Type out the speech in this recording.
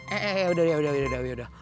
eh eh eh udah udah udah